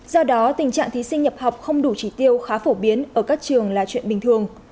do đó tình trạng thí sinh nhập học không đủ trí tiêu khá phổ biến ở các trường là chuyện bình thường